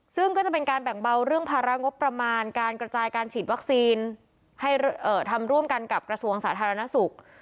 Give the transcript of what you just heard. ซึ่งก็จะเป็นการแบ่งเบาเรื่องภาระงบประมาณการกระจายการฉีดวัคซีนให้ทำร่วมกันกับกระทรวงสาธารณสุข